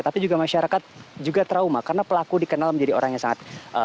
tapi juga masyarakat juga trauma karena pelaku dikenal menjadi orang yang sangat